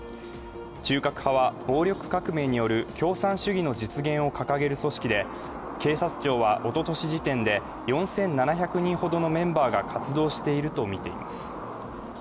中核派は暴力革命による共産主義の実現を掲げる組織で、警察庁はおととし時点で４７００人ほどのメンバーが活動しているとみています。